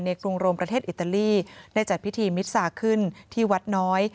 กรุงโรมประเทศอิตาลีได้จัดพิธีมิตรสาขึ้นที่วัดน้อย